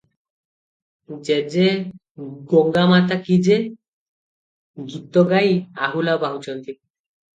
'ଜେ ଜେ-ଗଙ୍ଗାମାତା କି ଜେ' ଗୀତ ଗାଇ ଆହୁଲା ବାହୁଛନ୍ତି ।